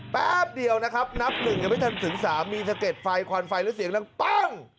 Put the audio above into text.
แป๊บเดียวนะครับนับหนึ่งยังไม่ทันถึงสามีสะเก็ดไฟควันไฟแล้วเสียงดังปั้ง